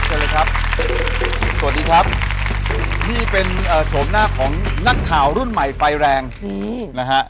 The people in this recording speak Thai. สวัสดีครับสวัสดีครับนี่เป็นโฉมหน้าของนักข่าวรุ่นใหม่ไฟแรงนะฮะ